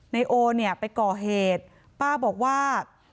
เนโอไปก่อเหตุป้าบอกว่า